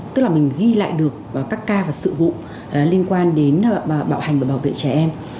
tức là mình ghi lại được các ca và sự vụ liên quan đến bạo hành và bảo vệ trẻ em